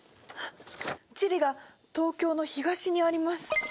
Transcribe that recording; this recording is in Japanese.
チリが東京の東にあります！